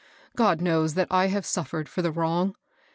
God knows that I have sofPered for the wrong.